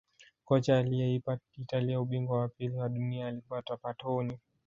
kocha aliyeipa italia ubingwa wa pili wa dunia alikuwa trapatoni